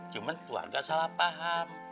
cuma keluarga salah paham